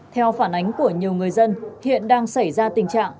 theo phản ánh của nhiều người dân hiện đang xảy ra tình trạng